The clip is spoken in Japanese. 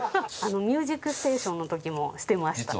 『ミュージックステーション』の時もしてました。